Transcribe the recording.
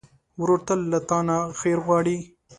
ورور تل له تا نه خیر غواړي.